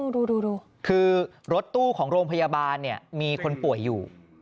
ดูคือรถตู้ของโรงพยาบาลมีคนป่วยอยู่